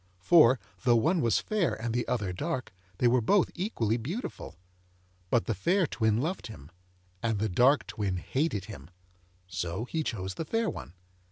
For, though one was fair and the other dark, they were both equally beautiful. But the fair twin loved him, and the dark twin hated him, so he chose the fair one.